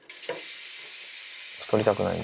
太りたくないんで。